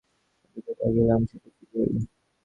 ভাবিতে লাগিলাম, সেটা কী বই।